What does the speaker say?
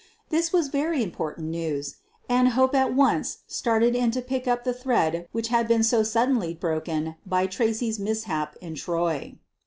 This was very important news, and Hope at once started in to pick up the thread which had been so suddenly broken by Tracy's mishap in Troy.